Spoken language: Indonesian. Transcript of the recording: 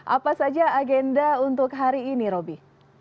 apa saja agenda untuk hari ini roby